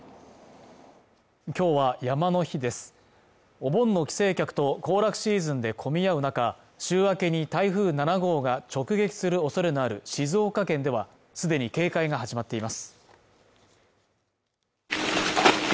今日は山の日ですお盆の帰省客と行楽シーズンで混み合う中週明けに台風７号が直撃するおそれのある静岡県ではすでに警戒が始まっています